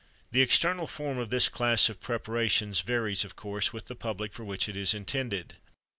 The external form of this class of preparations varies of course with the public for which it is intended.